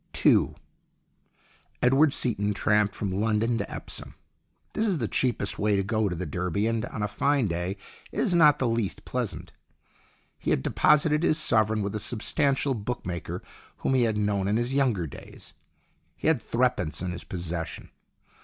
II EDWARD SEATON tramped from London to Epsom. This is the cheapest way to go to the Derby, and on a fine day it is not the least pleasant. He had deposited his sovereign with a substantial bookmaker whom he had known in his younger days. He had threepence in his possession.